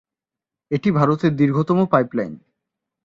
এটি ভারতের দীর্ঘতম পাইপলাইন।